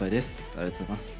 ありがとうございます。